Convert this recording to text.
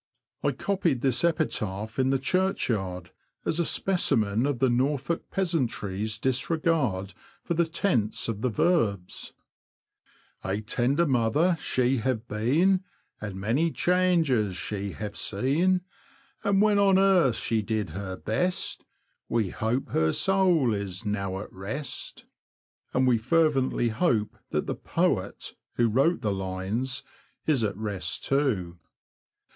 Honing Long Lane. I copied this epitaph in the churchyard, as a specimen of the Norfolk peasantry's disregard for the tense of the verbs :— A tender mother she have been, And many changes she have seen ; And when on earth she did her best : We hope her soul is now at rest. THE ANT, TO NORTH VVALSHAM AND CROMER. 181 And we fervently hope that the poet who wrote the lines is at rest too.